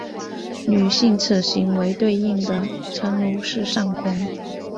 女性此行为对应的称呼是上空。